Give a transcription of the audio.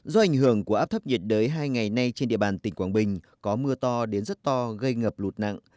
do ảnh hưởng của áp thấp nhiệt đới hai ngày nay trên địa bàn tỉnh quảng bình có mưa to đến rất to gây ngập lụt nặng